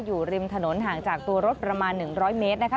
อยู่ริมถนนห่างจากตัวรถประมาณ๑๐๐เมตรนะคะ